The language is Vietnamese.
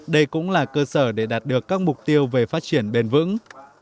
đây cũng là cơ sở để đạt được các mục tiêu về phát triển bền vững